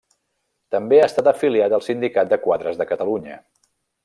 També ha estat afiliat al Sindicat de Quadres de Catalunya.